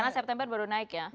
karena september baru naik ya